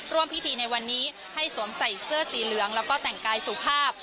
ร่วมพิธีในวันนี้ให้สวมใส่เสื้อสีเหลืองแล้วก็แต่งกายสุภาพ